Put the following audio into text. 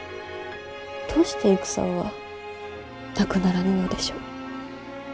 どうして戦はなくならぬのでしょう。